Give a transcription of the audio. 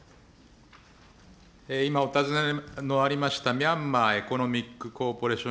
今、お尋ねのありました、ミャンマーエコノミックコーポレーション